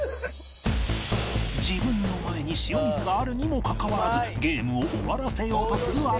自分の前に塩水があるにもかかわらずゲームを終わらせようとする淳